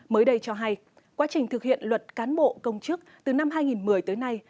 mới đây cho hay quá trình thực hiện luật cán bộ công chức từ năm hai nghìn một mươi